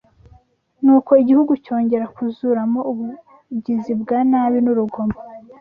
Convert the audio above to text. Nuko igihugu cyongera kuzuramo ubugizi bwa nabi n’urugomo